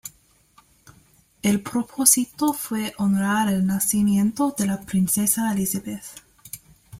El propósito fue honrar el nacimiento de la Princesa Elisabeth.